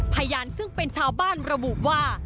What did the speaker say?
พยานซึ่งเป็นชาวบ้านระบุว่า